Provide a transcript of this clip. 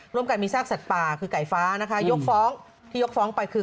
ร่วมกันมีซากสัตว์ป่าคือไก่ฟ้านะคะยกฟ้องที่ยกฟ้องไปคือ